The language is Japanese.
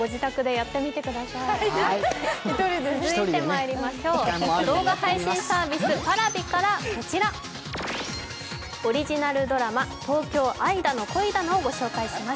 続いて動画配信サービスＰａｒａｖｉからオリジナルドラマ「東京、愛だの、恋だの」をご紹介します。